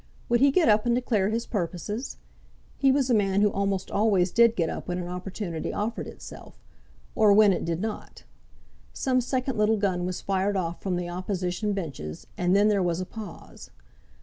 Would he get up and declare his purposes? He was a man who almost always did get up when an opportunity offered itself, or when it did not. Some second little gun was fired off from the Opposition benches, and then there was a pause.